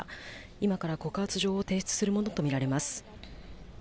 今から告発状を提出するものとみられます。